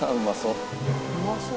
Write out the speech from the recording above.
うまそう。